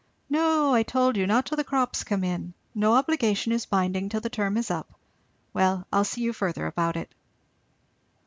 "No, I told you, not till the crops come in. No obligation is binding till the term is up. Well, I'll see you further about it."